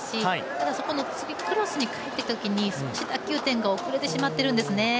ただ、そこのクロスに返ったときに少し打球点が遅れてしまっているんですね。